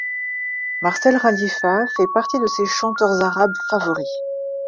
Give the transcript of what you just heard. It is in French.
Marcel Khalifa fait partie de ses chanteurs arabes favoris.